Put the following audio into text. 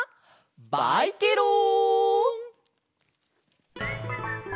バイケロン！